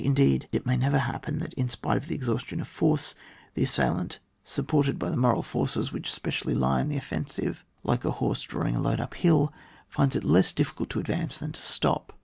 Indeed, it may even happen that, in spite of the exhaustion of force, the assailant, supported by the moral forces which specially lie in the offteisi¥e, tfre a horse drawing a load uphill, ^da it less difficult to advance tkan to stop.